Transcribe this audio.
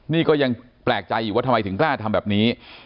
นี่ก็ยังแปลกใจอยู่ว่าทำไมถึงกล้าทำแบบนี้